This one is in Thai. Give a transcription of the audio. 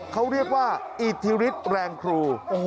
เขาเรียกว่าอิทธิฤทธิ์แรงครู